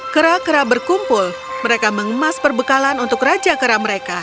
kera kera berkumpul mereka mengemas perbekalan untuk raja kera mereka